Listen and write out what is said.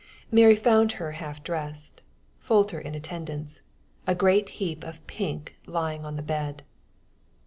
Mary found her half dressed, Folter in attendance, a great heap of pink lying on the bed.